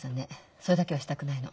それだけはしたくないの。